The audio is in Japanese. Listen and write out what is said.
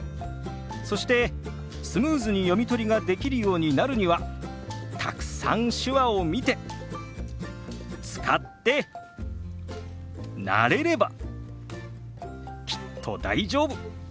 そしてスムーズに読み取りができるようになるにはたくさん手話を見て使って慣れればきっと大丈夫。